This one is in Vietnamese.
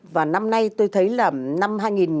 và năm nay tôi thấy là năm hai nghìn một mươi